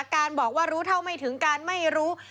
การบอกว่ารู้เท่าไม่ถึงการไม่รู้